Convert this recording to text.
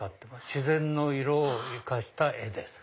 自然の色を生かした絵です。